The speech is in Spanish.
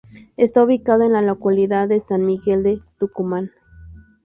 Está ubicado en la localidad de San Miguel de Tucumán.